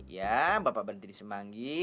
ya bapak berhenti di semanggi